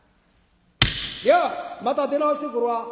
「じゃあまた出直してくるわ」。